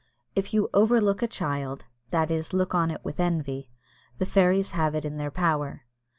If you "over look a child," that is look on it with envy, the fairies have it in their power.